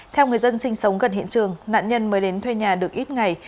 theo người dân sinh sống gần hiện trường nạn nhân mới đến thuê nhà được ít ngày